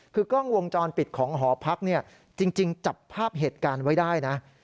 คือกล้องวงจรปิดของหอพักเนี่ยจริงจับภาพเหตุการณ์ไว้ได้นะ